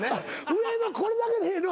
上のこれだけでええの？